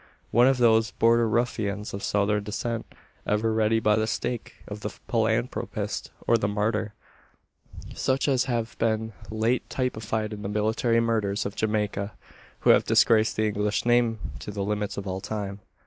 One of those "border ruffians" of Southern descent, ever ready by the stake of the philanthropist, or the martyr such as have been late typified in the military murderers of Jamaica, who have disgraced the English name to the limits of all time.